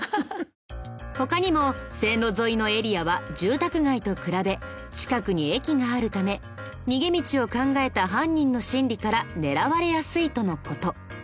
他にも線路沿いのエリアは住宅街と比べ近くに駅があるため逃げ道を考えた犯人の心理から狙われやすいとの事。